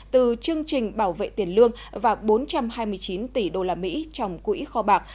từ chương trình bảo vệ tiền lương và bốn trăm hai mươi chín tỷ đô la mỹ trong quỹ kho bạc